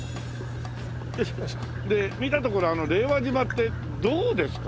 で見たところ令和島ってどうですか？